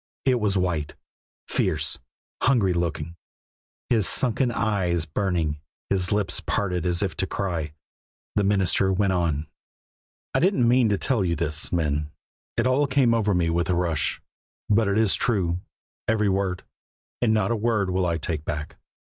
It was white, fierce, hungry looking, his sunken eyes burning, his lips parted as if to cry. The minister went on. "I didn't mean to tell you this, men; it all came over me with a rush; but it is true, every word, and not a word will I take back.